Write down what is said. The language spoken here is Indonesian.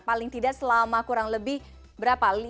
paling tidak selama kurang lebih berapa